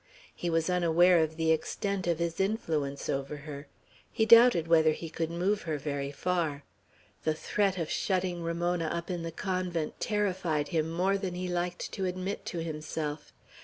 He was unaware of the extent of his influence over her. He doubted whether he could move her very far. The threat of shutting Ramona up in the convent terrified him more than he liked to admit to himself.